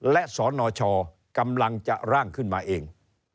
และสอนหน่อช่อกำลังจะร่างขึ้นมาเอง